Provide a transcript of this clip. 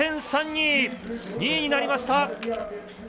２位になりました。